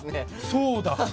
そうだ。